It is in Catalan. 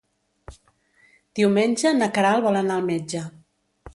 Diumenge na Queralt vol anar al metge.